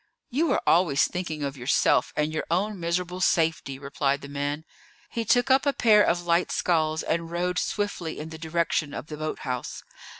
"You are always thinking of yourself and your own miserable safety," replied the man. He took up a pair of light sculls, and rowed swiftly in the direction of the boat house.